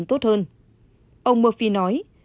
ông murphy nói